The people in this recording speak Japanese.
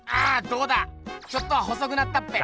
どうだちょっとは細くなったっぺ？